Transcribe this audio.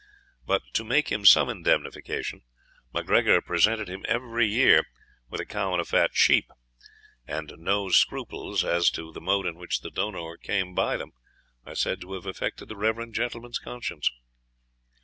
But to make him some indemnification, MacGregor presented him every year with a cow and a fat sheep; and no scruples as to the mode in which the donor came by them are said to have affected the reverend gentleman's conscience.